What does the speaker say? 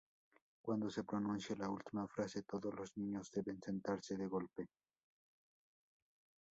Cuando se pronuncia la última frase, todos los niños deben sentarse de golpe.